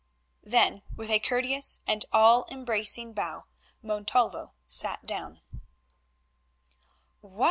Then with a courteous and all embracing bow Montalvo sat down.